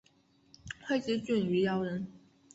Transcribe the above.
会稽郡余姚人。